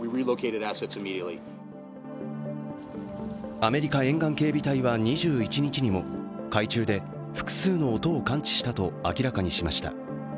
アメリカ沿岸警備隊は２１日にも海中で複数の音を感知したと明らかにしました。